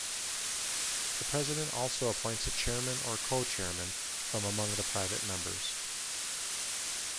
The President also appoints a chairman or co-chairmen from among the private members.